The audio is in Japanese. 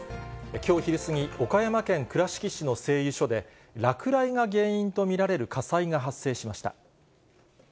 きょう昼過ぎ、岡山県倉敷市の製油所で、落雷が原因と見られる火災が発生しました。